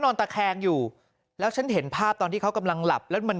ตะแคงอยู่แล้วฉันเห็นภาพตอนที่เขากำลังหลับแล้วมัน